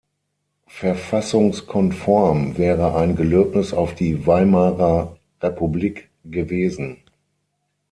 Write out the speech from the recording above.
Verfassungskonform wäre ein Gelöbnis auf die Weimarer Republik gewesen.